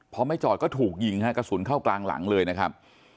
พอไม่จอดก็ถูกยิงฮะกระสุนเข้ากลางหลังเลยนะครับ